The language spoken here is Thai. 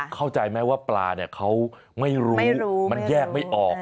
เข้าใจไหมว่าปลาเนี่ยเขาไม่รู้มันแยกไม่ออก